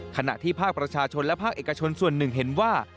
ขณะที่ภาคประชาชนและภาคเอกชนส่วนหนึ่งเห็นว่า